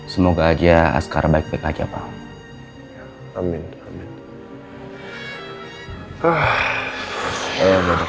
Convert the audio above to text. semoga aja askar baik baik aja pak